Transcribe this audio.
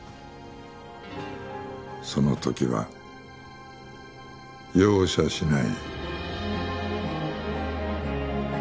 そのときは容赦しない。